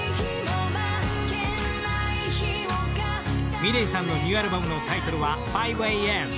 ｍｉｌｅｔさんのニューアルバムのタイトルは「５ａｍ」。